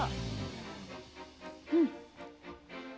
うん。